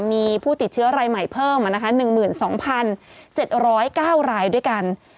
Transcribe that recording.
มีผู้ติดเชื้อรายใหม่เพิ่ม๑๒๗๐๙รายด้วยกัน